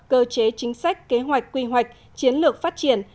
cơ chế chính sách kế hoạch quy hoạch chiến lược phát triển